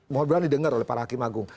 mohon beran didengar oleh para hakim agung